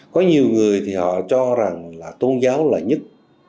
có nhiều người thì họ cho rằng là tôn giáo là nhất